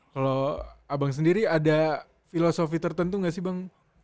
kalau abang sendiri ada filosofi tertentu nggak sih bang